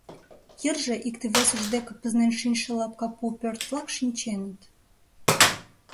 Йырже икте-весышт деке пызнен шичше лапка пу пӧрт-влак шинченыт.